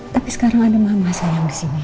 tapi sekarang ada mama sayang disini